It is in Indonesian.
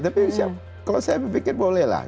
tapi kalau saya berpikir bolehlah